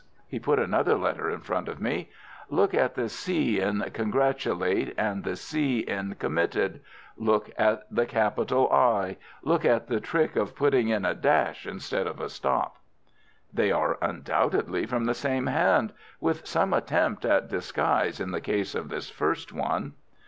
He put another letter in front of me. "Look at the c in 'congratulate' and the c in 'committed.' Look at the capital I. Look at the trick of putting in a dash instead of a stop!" "They are undoubtedly from the same hand—with some attempt at disguise in the case of this first one."